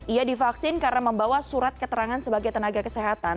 ia divaksin karena membawa surat keterangan sebagai tenaga kesehatan